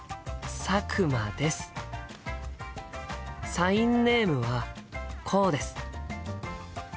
サインネームはこうです。